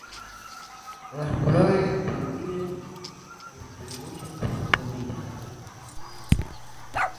Las flores dividen y distribuyen sus semillas.